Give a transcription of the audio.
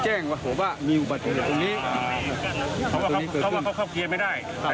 แต่มันคิดว่าระบบระบบนี้มันมีปัญหา